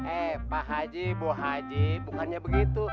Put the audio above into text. eh pak haji bu haji bukannya begitu